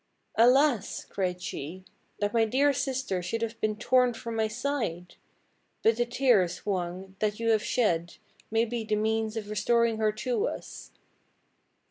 "Alas!" cried she, "that my dear sister should have been torn from my side! But the tears, Hwang, that you have shed, may be the means of restoring her to us!"